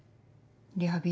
リハビリ